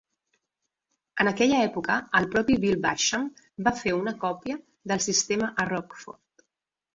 En aquella època, el propi Bill Basham va fer una còpia del sistema a Rockford.